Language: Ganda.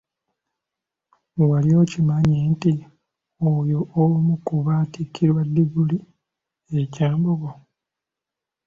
Wali okimanyi nti oyo omu ku baatikkirwa ddiguli e Kyambogo?